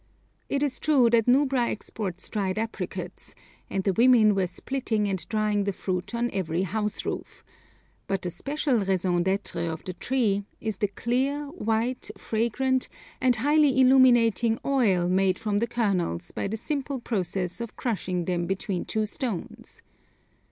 It is true that Nubra exports dried apricots, and the women were splitting and drying the fruit on every house roof, but the special raison d'être of the tree is the clear, white, fragrant, and highly illuminating oil made from the kernels by the simple process of crushing them between two stones.